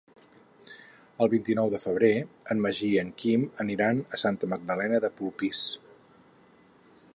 El vint-i-nou de febrer en Magí i en Quim aniran a Santa Magdalena de Polpís.